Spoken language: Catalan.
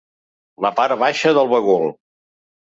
La part baixa del bagul.